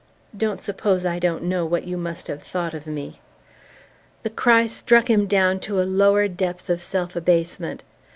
"Don't suppose I don't know what you must have thought of me!" The cry struck him down to a lower depth of self abasement.